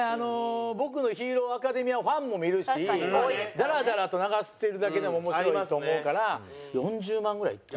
『僕のヒーローアカデミア』ファンも見るしダラダラと流してるだけでも面白いと思うから４０万ぐらいいって。